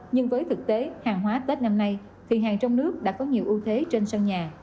nhưng với thực tế hàng hóa tết năm nay thì hàng trong nước đã có nhiều ưu thế trên sân nhà